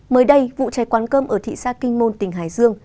mới đây vụ cháy quán cơm ở thị xã kinh môn tỉnh hải dương